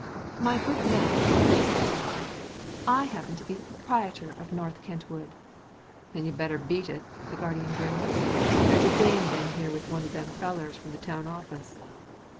"My good man," she said sharply. "I happen to be the proprietor of North Kent wood." "Then you'd better beat it." The guardian grinned. "There's a dame been here with one of them fellers from the town office."